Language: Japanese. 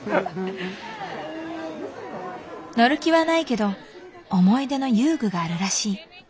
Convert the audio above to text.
乗る気はないけど思い出の遊具があるらしい。